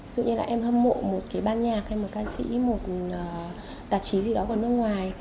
ví dụ như là em hâm mộ một cái ban nhạc hay một ca sĩ một tạp chí gì đó của nước ngoài